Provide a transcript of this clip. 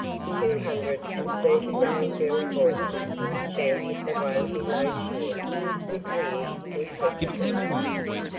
Two hundred and thirty nine girl voices chanted the Wo he lo Cheer with weird impressiveness.